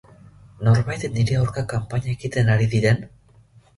Norbait nire aurka kanpaina egiten ari diren?